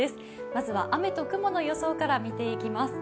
まずは雨と雲の予想から見ていきます。